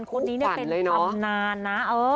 ทุกคนนี้เป็นทำงานนะ